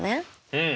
うん。